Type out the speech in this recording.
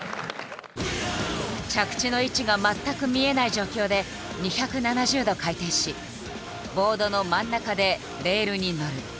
着地の位置が全く見えない状況で２７０度回転しボードの真ん中でレールに乗る。